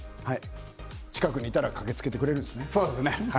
近くにいたら駆けつけてくれるんですね。